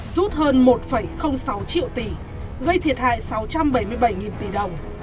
rút hơn một sáu triệu tỷ gây thiệt hại sáu trăm bảy mươi bảy tỷ đồng